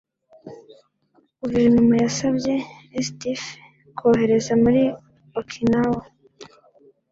guverinoma yasabye sdf koherezwa muri okinawa